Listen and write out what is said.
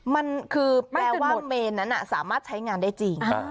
มันคือแปลว่าเมนนั้นสามารถใช้งานได้จริง